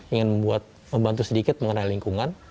ingin membuat membantu sedikit mengenai lingkungan